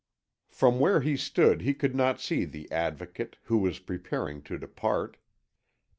From where he stood he could not see the Advocate, who was preparing to depart.